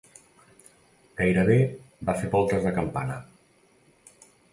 Gairebé va fer voltes de campana.